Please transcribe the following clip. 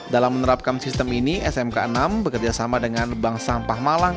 dalam menerapkan sistem ini smk enam bekerjasama dengan bank sampah malang